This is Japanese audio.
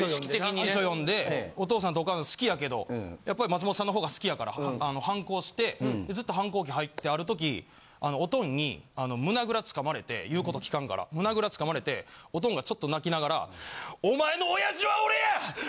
『遺書』読んでお父さんとお母さん好きやけどやっぱり松本さんの方が好きやから反抗してずっと反抗期入ってある時おとんに胸ぐら掴まれて言うこと聞かんから胸ぐら掴まれておとんがちょっと泣きながら。